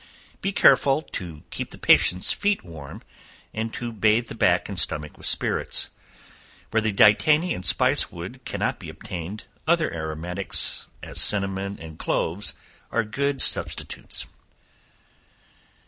Be careful to keep the patient's feet warm, and to bathe the back and stomach with spirits. Where the dittany and spice wood cannot be obtained, other aromatics, as cinnamon and cloves, are good substitutes.